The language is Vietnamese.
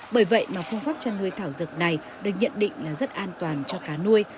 bởi vậy mà phương pháp chăn nuôi thảo dược này được nhận định là rất an toàn cho cá nuôi